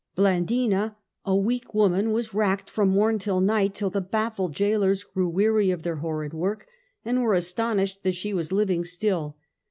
Blandina, a weak woman, was racked from morn till night, till the baffled gaolers grew weary of their horrid work, and were astonished that she was living still.